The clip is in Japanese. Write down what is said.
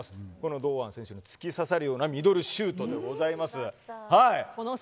堂安選手の突き刺さるようなミドルシュートでございます。